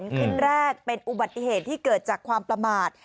คลิปแรกเป็นอุบัติเหตุที่เกิดจากความประมาท